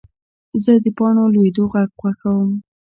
زه د پاڼو لوېدو غږ خوښوم.